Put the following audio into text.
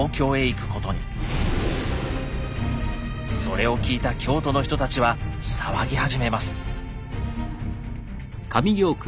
それを聞いた京都の人たちは騒ぎ始めます。